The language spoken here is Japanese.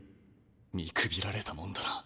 見くびられたもんだな。